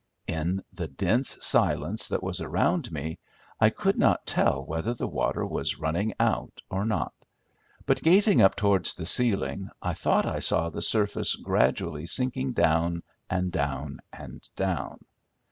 In the dense silence that was around me, I could not tell whether the water was running out or not; but gazing up towards the ceiling I thought I saw the surface gradually sinking down and down and down.